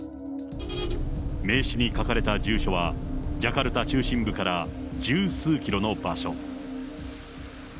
名刺に書かれた住所は、ジャカルタ中心部から十数キロの場所。